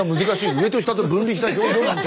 上と下で分離した表情なんて。